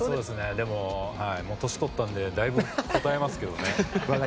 でも、年を取ったのでだいぶこたえますけどね。